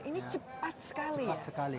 ini cepat sekali